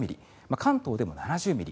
関東でも７０ミリ。